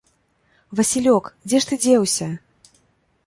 Васілёк, дзе ж ты дзеўся?